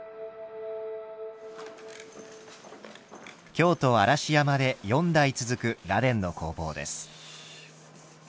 京都・嵐山で四代続く螺鈿の工房です。